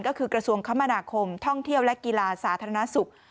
ก็คือกระทรวงคมนาคมท่องเที่ยวและกีฬาสาธารณสุข